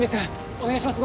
お願いします。